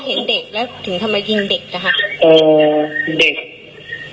เห็นเด็กแล้วถึงทำไมยิงเด็กนะคะ